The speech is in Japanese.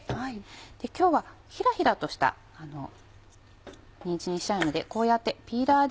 今日はヒラヒラとしたにんじんにしたいのでこうやってピーラーで。